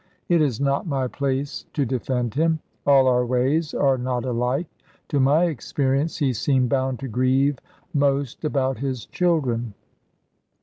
It is not my place to defend him. All our ways are not alike. To my experience he seemed bound to grieve most about his children.